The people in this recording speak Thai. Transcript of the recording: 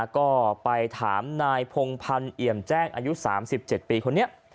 ก็ไปถามนายพงพันธ์เอี่ยมแจ้งอายุ๓๗ปีคนนี้